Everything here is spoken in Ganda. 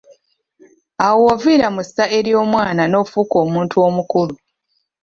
Awo woviira mu ssa ery'omwana nofuuka omuntu omukulu.